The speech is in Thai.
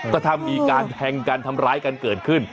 ก็ถ้ามีการแทงกันทำร้ายกันเกิดขึ้น